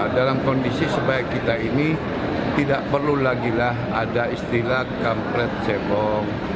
dalam kondisi sebagai kita ini tidak perlu lagi lah ada istilah kampret cebong